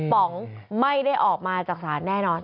ป๋องไม่ได้ออกมาจากศาลแน่นอน